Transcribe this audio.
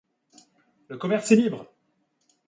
Le commerce est libre!